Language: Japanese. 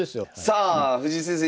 さあ藤井先生